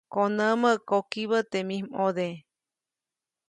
Konämä, kokibä teʼ mij ʼmode.